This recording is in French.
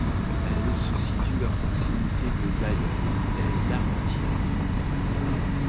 Elle se situe à proximité de Bailleul et d'Armentières.